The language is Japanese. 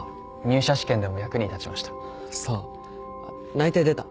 内定出た？